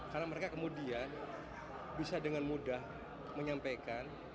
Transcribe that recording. karena mereka kemudian bisa dengan mudah menyampaikan